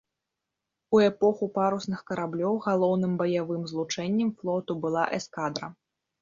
У эпоху парусных караблёў галоўным баявым злучэннем флоту была эскадра.